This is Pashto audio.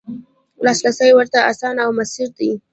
لاسرسی ورته اسانه او میسر دی.